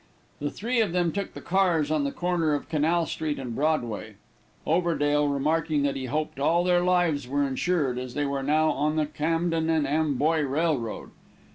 The three then took the cars on the corner of Canal street and Broadway, Overdale remarking that he hoped all their lives were insured, as they were now on the Camden and Amboy Railroad.